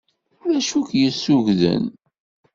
D acu k-yessugden?